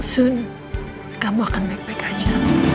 segera kamu akan baik baik saja